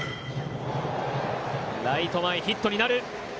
ライト前ヒットになる。